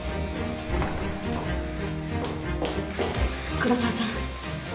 黒澤さん。